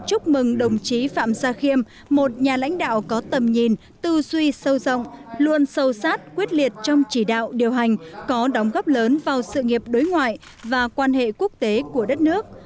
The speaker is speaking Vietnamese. chúc mừng đồng chí phạm gia khiêm một nhà lãnh đạo có tầm nhìn tư duy sâu rộng luôn sâu sát quyết liệt trong chỉ đạo điều hành có đóng góp lớn vào sự nghiệp đối ngoại và quan hệ quốc tế của đất nước